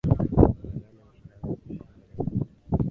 eeh yale mashindano ya kombe la dunia